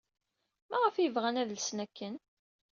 Maɣef ay bɣan ad lsen akken?